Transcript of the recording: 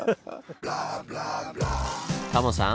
タモさん